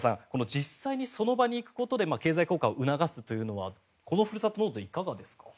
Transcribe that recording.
実際のその場に行くことで経済効果を促すというのはこのふるさと納税いかがですか。